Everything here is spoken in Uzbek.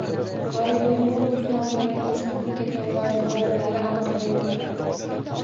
Qori-Yoqubov nomidagi respublika tanlovi g‘oliblari aniqlanmoqda